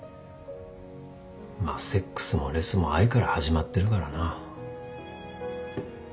まあセックスもレスも愛から始まってるからな。